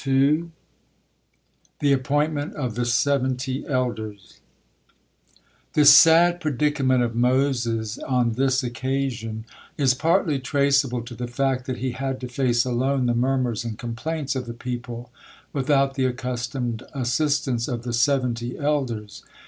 THE APPOINTMENT OF THE SEVENTY ELDERS The sad predicament of Moses on this occasion is partly traceable to the fact that he had to face alone the murmurs and complaints of the people without the accustomed assistance of the seventy elders.